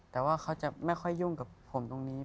แต่ว่าเขาจะไม่ค่อยยุ่งกับผมตรงนี้